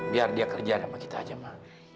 biar dia kerja sama kita aja ma